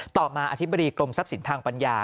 ต่อมาอธิบดีกรมทรัพย์สินทางปัญญา